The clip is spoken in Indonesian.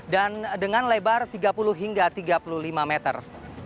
dan dengan lebar tiga puluh hingga tiga puluh lima meter